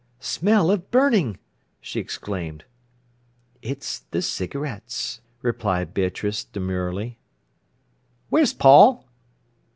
"Smell of burning!" she exclaimed. "It's the cigarettes," replied Beatrice demurely. "Where's Paul?"